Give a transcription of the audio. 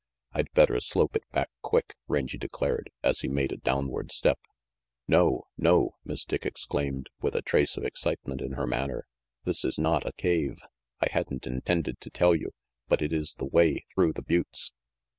"I'd better slope it back quick," Rangy declared, as he made a downward step. "No! No!" Miss Dick exclaimed, with a trace of excitement in her manner. "This is not a cave. I hadn't intended to tell you, but it is the way through the buttes.